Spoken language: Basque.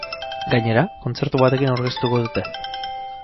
Gainera, kontzertu batekin aurkeztuko dute.